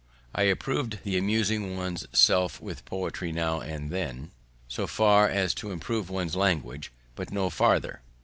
I approv'd the amusing one's self with poetry now and then, so far as to improve one's language, but no farther.